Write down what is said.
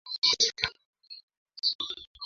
acha kwenye sehemu yenye joto kwa saa moja